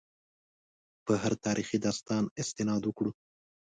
په هر تاریخي داستان استناد وکړو.